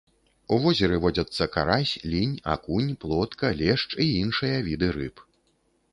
У возеры водзяцца карась, лінь, акунь, плотка, лешч і іншыя віды рыб.